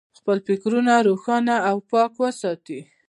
خپل فکرونه روښانه او پاک وساتئ.